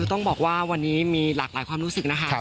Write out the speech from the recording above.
ต้องบอกว่าวันนี้มีหลากหลายความรู้สึกนะคะ